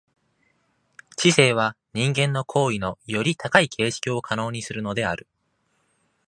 知性は人間の行為のより高い形式を可能にするのである。